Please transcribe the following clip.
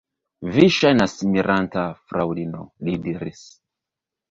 Vi ŝajnas miranta, fraŭlino, li diris.